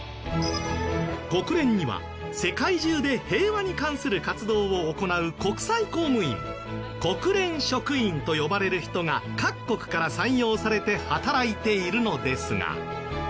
国連には世界中で平和に関する活動を行う国際公務員国連職員と呼ばれる人が各国から採用されて働いているのですが。